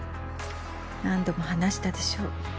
何度も話したでしょ